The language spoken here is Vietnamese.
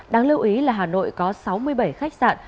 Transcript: đáng lưu ý là hà nội có sáu mươi bảy khách sạn